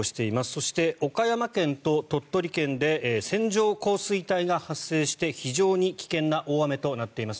そして岡山県と鳥取県で線状降水帯が発生して非常に危険な大雨となっています。